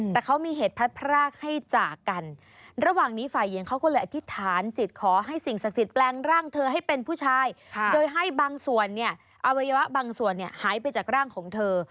แต่เขามีเหตุพัดพรากให้จากกันระหว่างนี้ฝ่ายหญิงเขาก็เลยอธิษฐานจิตขอให้สิ่งศักดิ์สิทธิแปลงร่างเธอให้เป็นผู้ชายโดยให้บางส่วนเนี่ยอวัยวะบางส่วนเนี่ยหายไปจากร่างของเธอ